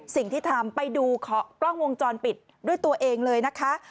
สิ่งที่ทำไปดูขอกล้องวงจรปิดด้วยตัวเองเลยนะคะ